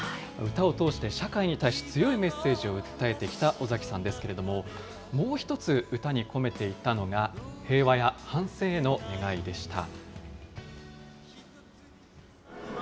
歌を通して社会に対し強いメッセージを訴えてきた尾さんですけれども、もう一つ歌に込めていたのが、平和や反戦への願いでした。